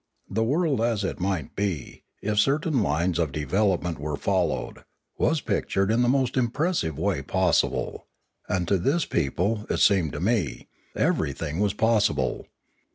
The world as it might be, if certain lines of development were followed, was pictured in the most impressive way possible; and to this people, it seemed to me,' every thing was possible.